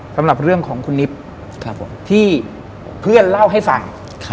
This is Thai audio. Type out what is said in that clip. สำหรับเรื่องของคุณนิบที่เพื่อนเล่าให้ฟัง